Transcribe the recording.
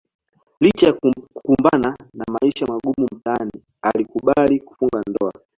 Licha ya kukumbana na maisha magumu mtaani alikubali kufunga ndoa